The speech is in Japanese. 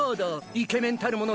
イケメンたるもの